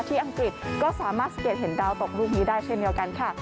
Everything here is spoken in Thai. อังกฤษก็สามารถสังเกตเห็นดาวตกลูกนี้ได้เช่นเดียวกันค่ะ